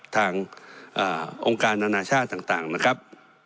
ทางองค์การอนาชาติต่างนะครับ